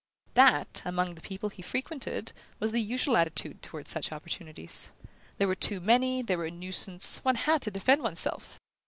That, among the people he frequented, was the usual attitude toward such opportunities. There were too many, they were a nuisance, one had to defend one's self!